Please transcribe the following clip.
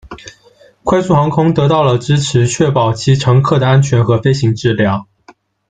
快速航空得到了的支持，确保其乘客的安全和飞行质量。